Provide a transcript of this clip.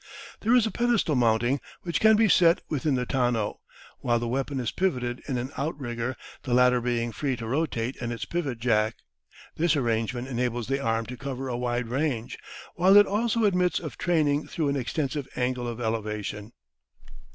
There is a pedestal mounting which can be set within the tonneau, while the weapon is pivoted in an outrigger, the latter being free to rotate in its pivot jack. This arrangement enables the arm to cover a wide range, while it also admits of training through an extensive angle of elevation.